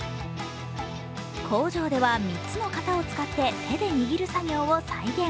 工場では３つの型を使って手で握る作業を再現。